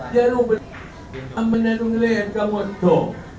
yang menelung leher kamu itu